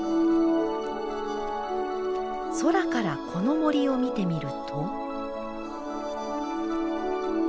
空からこの森を見てみると。